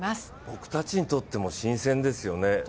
僕たちにとっても新鮮ですよね。